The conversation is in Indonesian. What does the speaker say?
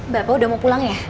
bapak udah mau pulang ya